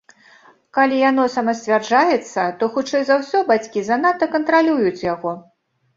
Калі яно самасцвярджаецца, то, хутчэй за ўсё, бацькі занадта кантралююць яго.